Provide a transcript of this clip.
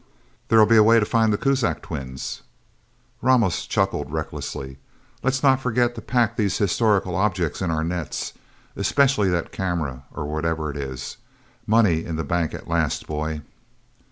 There'll be a way to find the Kuzak twins." Ramos chuckled recklessly. "Let's not forget to pack these historical objects in our nets. Especially that camera, or whatever it is. Money in the bank at last, boy..."